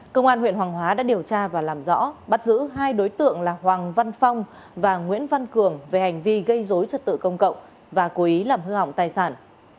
công an huyện hoàng hóa đã điều tra và làm rõ bắt giữ hai đối tượng là hoàng văn phong và nguyễn văn cường về hành vi gây dối trật tự công cộng và cố ý làm hư hỏng tài sản